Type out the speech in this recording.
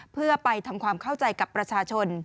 เพื่อไปทำความเข้าใจกับประชาชน